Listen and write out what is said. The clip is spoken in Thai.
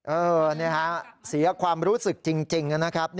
นี่ฮะเสียความรู้สึกจริงนะครับ